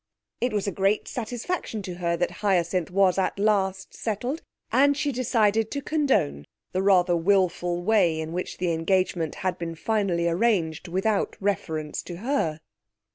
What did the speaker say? It was a great satisfaction to her that Hyacinth was at last settled; and she decided to condone the rather wilful way in which the engagement had been finally arranged without reference to her.